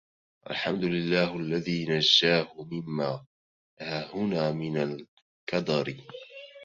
الْحَمْدُ لِلَّهِ الَّذِي نَجَّاهُ مِمَّا هَهُنَا مِنْ الْكَدَرِ